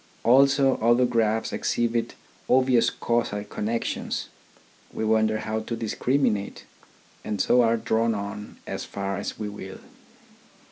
Also other graphs exhibit obvious casual connections. We wonder how to discriminate. And so are drawn on as far as we will.